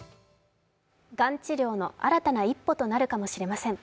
がん治療の新たな一歩となるかもしれません。